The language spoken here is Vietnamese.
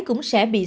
cũng sẽ bị xử lý